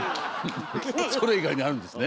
それ以外にあるんですね？